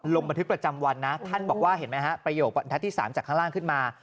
ลงบันทึกประจำวันนะท่านบอกว่าเห็นไหมฮะประโยควันทัศที่๓จากข้างล่างขึ้นมา